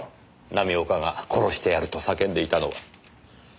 浪岡が殺してやると叫んでいたのは。